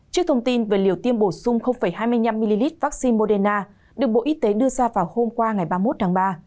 trước thông tin về liều tiêm bổ sung hai mươi năm ml vaccine moderna được bộ y tế đưa ra vào hôm qua ngày ba mươi một tháng ba